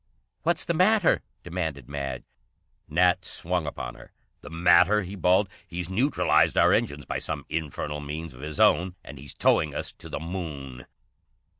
"What's the matter?" demanded Madge. Nat swung upon her. "The matter?" he bawled. "He's neutralized our engines by some infernal means of his own, and he's towing us to the Moon!"